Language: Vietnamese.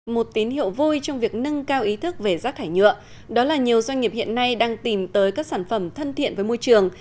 một tín hiệu vui trong việc nâng cao ý thức về rác thải nhựa đó là nhiều doanh nghiệp hiện nay đang tìm tới các sản phẩm thân thiện với môi trường